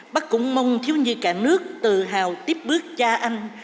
bác cũng mong thiếu nhi cả nước tự hào tiếp bước cha anh